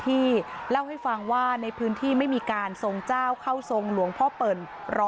ที่เล่าให้ฟังว่าในพื้นที่ไม่มีการทรงเจ้าเข้าทรงหลวงพ่อเปิ่น๑๐๐